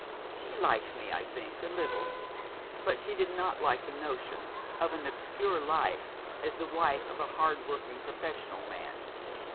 She liked me, I think, a little; but she did not like the notion of an obscure life as the wife of a hardworking professional man.